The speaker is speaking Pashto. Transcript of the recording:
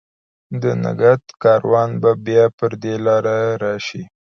د نګهت کاروان به بیا پر دې لار، راشي